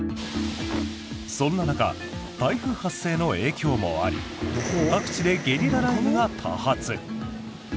そんな中、台風発生の影響もあり各地でゲリラ雷雨が多発。